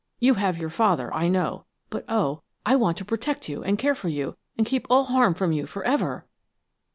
You have your father, I know, but, oh, I want to protect you and care for you, and keep all harm from you forever."